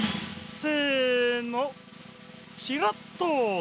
せのチラッとです！